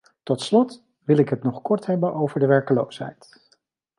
Tot slot wil ik het nog kort hebben over de werkloosheid.